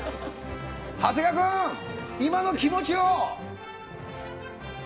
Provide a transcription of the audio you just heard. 長谷川君、今の気持ちを。